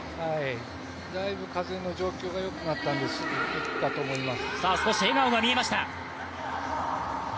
だいぶ風の状況が良くなってきたのでいくと思います。